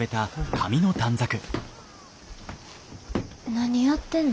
何やってんの？